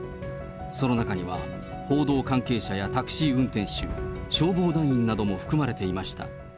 その中には、報道関係者やタクシー運転手、消防団員なども含まれていました。